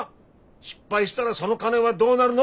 失敗したらその金はどうなるの？